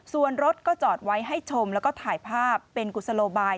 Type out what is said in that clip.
ส่วนรถก็จอดไว้ให้ชมแล้วก็ถ่ายภาพเป็นกุศโลบาย